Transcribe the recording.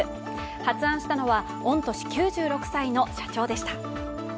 発案したのは御年９６歳の社長でした。